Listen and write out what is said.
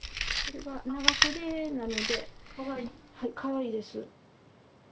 これが長袖なのでかわいいです。